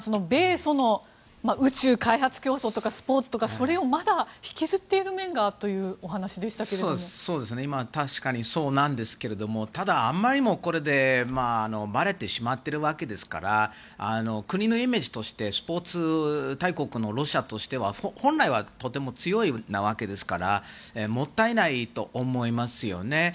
米ソの宇宙開発競争とかスポーツとかそれをまだ引きずっている面がというお話でしたけれども確かにそうなんですけどもただ、あまりにもばれてしまってるわけですから国のイメージとしてスポーツ大国のロシアとしては本来はとても強いわけですからもったいないと思いますよね。